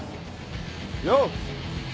・よう。